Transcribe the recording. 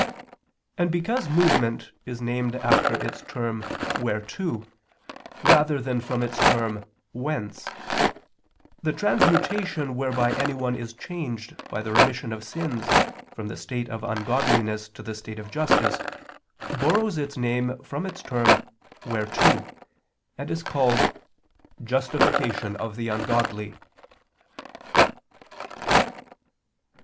And because movement is named after its term whereto rather than from its term whence, the transmutation whereby anyone is changed by the remission of sins from the state of ungodliness to the state of justice, borrows its name from its term whereto, and is called "justification of the ungodly."